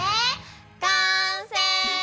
完成！